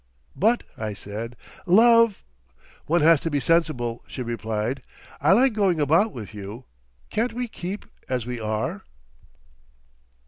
"But," I said "Love—!" "One has to be sensible," she replied. "I like going about with you. Can't we keep as we are?